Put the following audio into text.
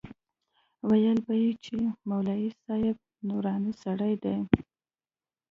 ويل به يې چې مولوي صاحب نوراني سړى دى.